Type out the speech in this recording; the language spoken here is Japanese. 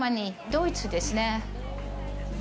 ドイツですね。